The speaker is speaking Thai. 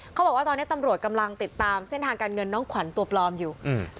เขาบอกว่าตอนนี้ตำรวจกำลังติดตามเส้นทางการเงินน้องขวัญตัวปลอมอยู่